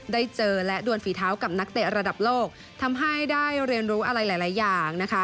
ได้เจอและดวนฝีเท้ากับนักเตะระดับโลกทำให้ได้เรียนรู้อะไรหลายอย่างนะคะ